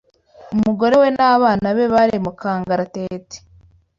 umugore we n’abana be bari mu kangaratete